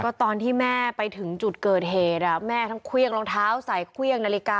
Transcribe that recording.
ก็ตอนที่แม่ไปถึงจุดเกิดเหตุแม่ทั้งเครื่องรองเท้าใส่เครื่องนาฬิกา